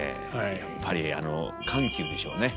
やっぱり緩急でしょうね。